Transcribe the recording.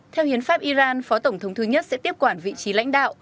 theo hiến pháp iran phó tổng thống thứ nhất sẽ tiếp quản vị trí lãnh đạo